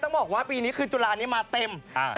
ต้องบอกว่าปีนี้คือจุฬานี้มาเต็ม